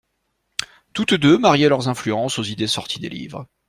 Toutes deux mariaient leurs influences aux idées sorties des livres.